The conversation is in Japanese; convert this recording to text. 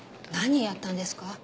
何やったんですか？